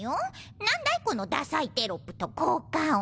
何だいこのダサいテロップと効果音。